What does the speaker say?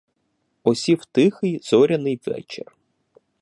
Осів тихий, зоряний вечір.